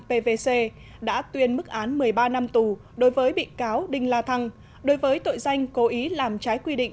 pvc đã tuyên mức án một mươi ba năm tù đối với bị cáo đinh la thăng đối với tội danh cố ý làm trái quy định